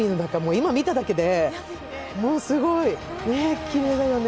今見ただけで、ものすごいきれいだよね。